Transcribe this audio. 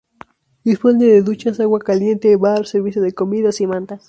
Dispone de duchas, agua caliente, bar, servicio de comidas y mantas.